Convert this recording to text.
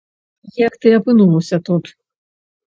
Як ты апынулася тут?